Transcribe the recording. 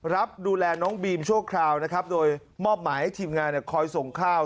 รับดูแลน้องบีมชั่วคราวนะครับโดยมอบหมายให้ทีมงานคอยส่งข้าว